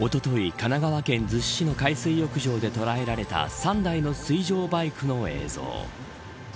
神奈川県逗子市の海水浴場で捉えられた３台の水上バイクの映像。